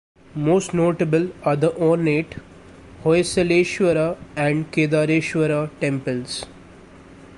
Most notable are the ornate Hoysaleshwara and Kedareshwara temples.